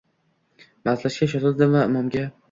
Masjidga shoshildim va imomga